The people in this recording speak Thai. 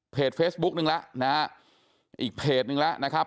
เพจเฟซบุ๊กนึงละนะฮะอีกเพจนึงละนะครับ